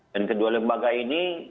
dan kedua lembaga ini